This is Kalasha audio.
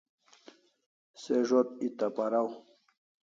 Se zo't eta paraw